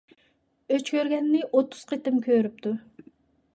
ئۆچ كۆرگەننى ئوتتۇز قېتىم كۆرۈپتۇ.